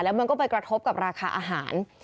มันก็ไปกระทบกับราคาอาหาร